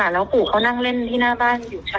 ลิงอยู่ชั้น๒ค่ะ